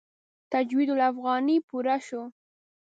تجوید الافغاني پوره شو.